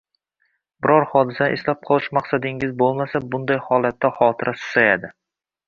Biron hodisani eslab qolish maqsadingiz bo‘lmasa, bunday holatda xotira susayadi.